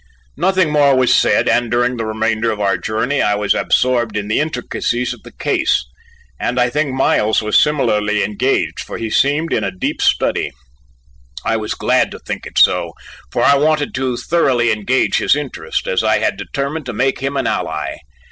Nothing more was said, and during the remainder of our journey I was absorbed in the intricacies of the case, and I think Miles was similarly engaged, for he seemed in a deep study. I was glad to think it so, for I wanted to thoroughly engage his interest, as I had determined to make him an ally.